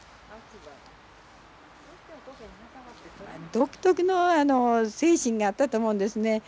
独特の精神があったと思うんですね。